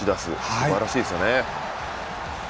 すばらしいですよね。